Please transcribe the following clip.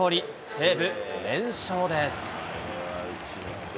西武、連勝です。